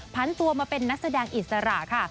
พันตัวมาเป็นนักแสดงอิสระค่ะ